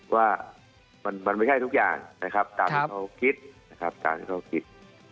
ว่ามันไม่ใช่ทุกอย่างเกี่ยวกับคิด